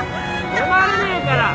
止まれねえから。